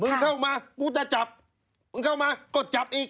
เข้ามากูจะจับมึงเข้ามาก็จับอีก